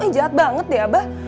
jahat banget deh abah